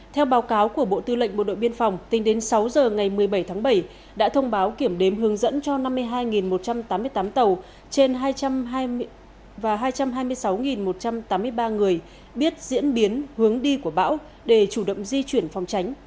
theo báo cáo của bộ tư lệnh bộ đội biên phòng tính đến sáu giờ ngày một mươi bảy tháng bảy đã thông báo kiểm đếm hướng dẫn cho năm mươi hai một trăm tám mươi tám tàu trên hai trăm hai mươi sáu một trăm tám mươi ba người biết diễn biến hướng đi của bão để chủ động di chuyển phòng tránh